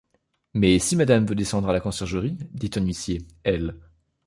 Mais si madame veut descendre à la Conciergerie, dit un huissier, elle...